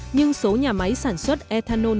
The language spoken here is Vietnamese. nhưng số nhà máy sản xuất ethanol